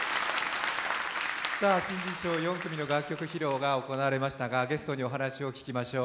新人賞４組の楽曲披露が行われましたが、ゲストにお話を聴きましょう。